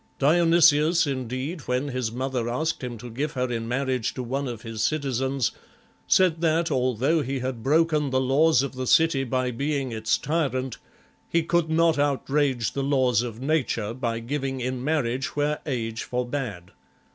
Dionysius, indeed, when his mother asked him to give her in marriage to one of his citizens, said that, although he had broken the laws of the city by being its tyrant, he could not outrage the laws of nature by giving in marriage where age forbade.